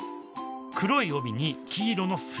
黒い帯に黄色の縁。